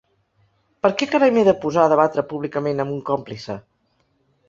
Per què carai m’he de posar a debatre públicament amb un còmplice?